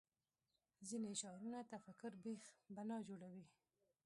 ځینې شعارونه تفکر بېخ بنا جوړوي